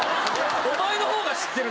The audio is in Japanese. お前の方が知ってる。